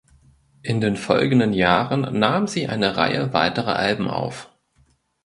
In den folgenden Jahren nahm sie eine Reihe weiterer Alben auf.